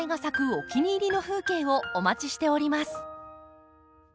お気に入りの風景をお待ちしております。